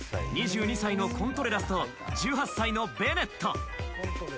２２歳のコントレラスと１８歳のベネット。